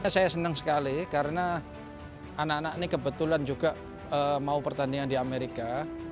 saya senang sekali karena anak anak ini kebetulan juga mau pertandingan di amerika